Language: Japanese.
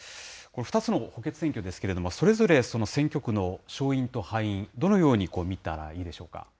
２つの補欠選挙ですけれども、それぞれその選挙区の勝因と敗因、どのように見たらいいでしょうか。